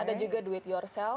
ada juga do it yourself